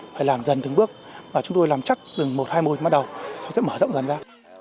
phải làm dần từng bước và chúng tôi làm chắc từng một hai môi mới bắt đầu sau đó sẽ mở rộng dần ra